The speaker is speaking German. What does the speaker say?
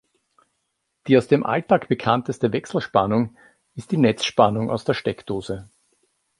Die aus dem Alltag bekannteste Wechselspannung ist die Netzspannung aus der Steckdose.